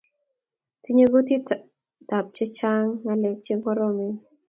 Tinyei kutitab chii ngalek chegoromen